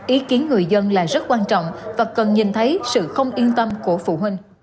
ý kiến người dân là rất quan trọng và cần nhìn thấy sự không yên tâm của phụ huynh